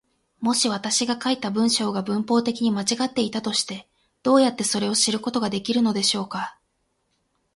もし私が書いた文章が文法的に間違っていたとして、どうやってそれを知ることができるのでしょうか。